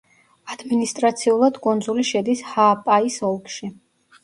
ადმინისტრაციულად კუნძული შედის ჰააპაის ოლქში.